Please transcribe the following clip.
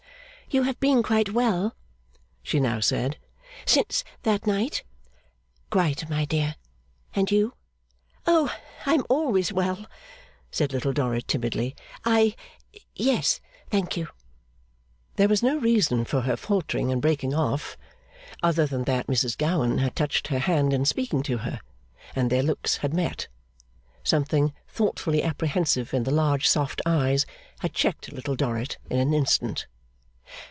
'You have been quite well,' she now said, 'since that night?' 'Quite, my dear. And you?' 'Oh! I am always well,' said Little Dorrit, timidly. 'I yes, thank you.' There was no reason for her faltering and breaking off, other than that Mrs Gowan had touched her hand in speaking to her, and their looks had met. Something thoughtfully apprehensive in the large, soft eyes, had checked Little Dorrit in an instant.